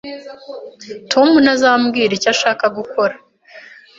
Tom ntazambwira icyo ashaka gukora.